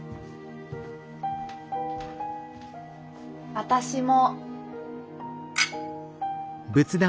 私も。